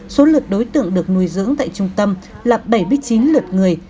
số lượt đối tượng được nuôi dưỡng tại trung tâm là bảy mươi chín lượt người